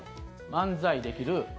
漫才できる。